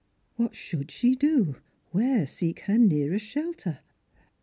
What should she do ? where seek her nearest shelter